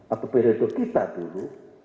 atau periode kita dulu